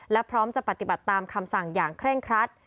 และพร้อมจะปฏิบัติตามคำสั่งอย่างเคร่งครัด